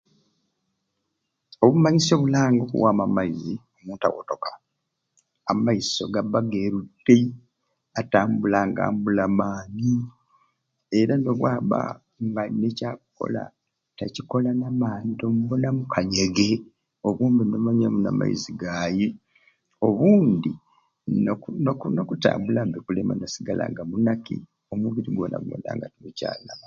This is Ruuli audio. Obumanyisyo obulanga okuwaamu amaizi omuntu awotoka amaiso gabba geeru ttei atambula nga nambula maani era nobwabba nga alina kyakukola takikola n'amaani tomubonamu kanyege obwo mbe n'omanya nti amaizi gai obundi n'oku n'oku n'okutambula mbe kulema nasigala mbe nga munaki omubiri gwona gwona nga gunaki